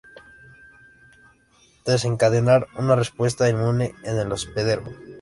Desencadenar una respuesta inmune en el hospedero.